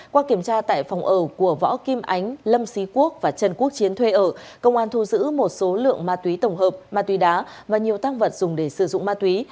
qua kiểm tra tại phòng ở của võ kim ánh lâm xí quốc và trần quốc chiến thuê ở công an thu giữ một số lượng ma túy tổng hợp ma túy đá và nhiều tăng vật dùng để sử dụng ma túy